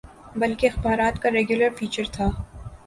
بلکہ اخبارات کا ریگولر فیچر تھا۔